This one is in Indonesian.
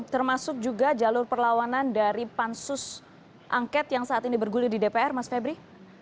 termasuk juga jalur perlawanan dari pansus angket yang saat ini bergulir di dpr mas febri